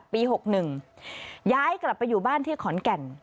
ปี๖๑ย้ายกลับไปอยู่บ้านที่ขอนแก่น